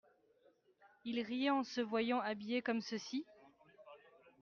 Il riait en se voyant habillé comme ceci.